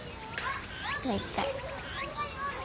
もう一回。